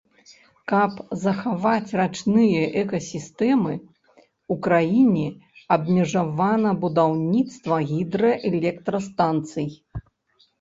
Каб захаваць рачныя экасістэмы, у краіне абмежавана будаўніцтва гідраэлектрастанцый.